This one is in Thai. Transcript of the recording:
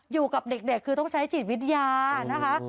อยู่กับเด็กคือต้องใช้จิตวิทยานะคะ